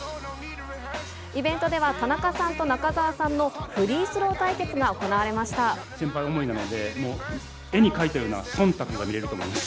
イベントでは田中さんと中澤さんのフリースロー対決が行われまし先輩思いなので、もう絵に描いたようなそんたくが見られると思います。